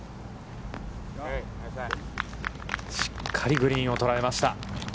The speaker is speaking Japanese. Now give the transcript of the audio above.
しっかりグリーンを捉えました。